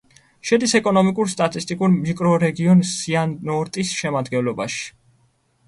შედის ეკონომიკურ-სტატისტიკურ მიკრორეგიონ სიანორტის შემადგენლობაში.